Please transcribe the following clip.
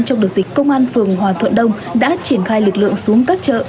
trong đợt dịch công an phường hòa thuận đông đã triển khai lực lượng xuống các chợ